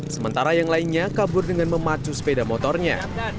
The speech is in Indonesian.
sementara yang lainnya kabur dengan memacu sepeda motornya